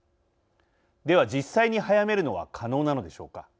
では、実際に早めるのは可能なのでしょうか。